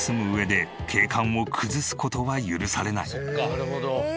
なるほど。